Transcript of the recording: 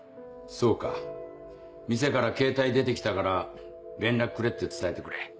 そうか店からケータイ出て来たから連絡くれって伝えてくれ。